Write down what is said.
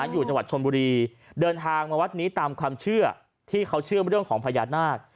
อยู่จังหวัดชนบุรีเดินทางมาวัดนี้ตามความเชื่อที่เขาเชื่อเรื่องของพญานาค